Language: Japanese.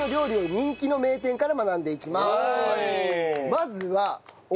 まずは。